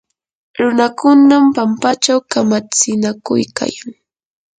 runakunam pampachaw kamatsinakuykayan.